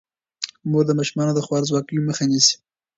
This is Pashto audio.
مور د ماشومانو د خوارځواکۍ مخه نیسي.